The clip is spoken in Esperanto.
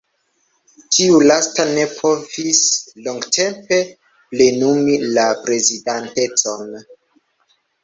Tiu lasta ne povis longtempe plenumi la prezidantecon.